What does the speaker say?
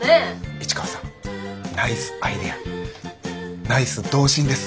市川さんナイスアイデアナイス童心です。